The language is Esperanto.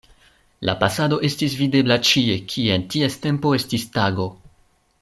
La pasado estis videbla ĉie, kie en ties tempo estis tago.